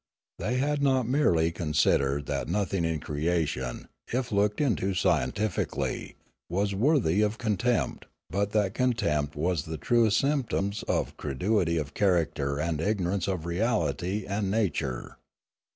They had not merely considered that nothing in crea tion, if looked into scientifically, was worthy of con tempt, but that contempt was the truest symptom of crudity of character and ignorance of reality and na ture.